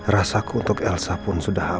rasaku untuk elsa pun sudah habis